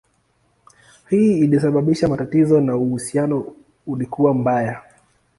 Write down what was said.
Hii ilisababisha matatizo na uhusiano ulikuwa mbaya.